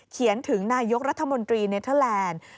เขียนถึงนายกรัฐมนตรีเนเทอร์แลนด์